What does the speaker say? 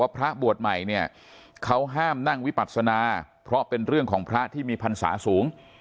พระบวชใหม่เนี่ยเขาห้ามนั่งวิปัศนาเพราะเป็นเรื่องของพระที่มีพรรษาสูง